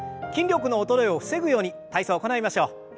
筋力の衰えを防ぐように体操行いましょう。